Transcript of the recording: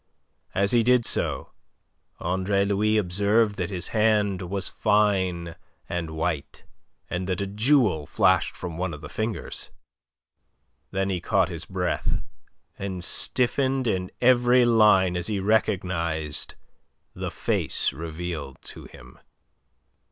As he did so Andre Louis observed that his hand was fine and white and that a jewel flashed from one of the fingers. Then he caught his breath, and stiffened in every line as he recognized the face revealed to him.